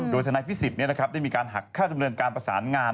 โดยธนัยภิสิตได้มีการหักค่าจำนวนการประสานงาน